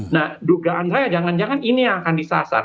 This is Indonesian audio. nah dugaan saya jangan jangan ini yang akan disasar